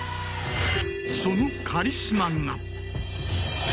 そのカリスマが。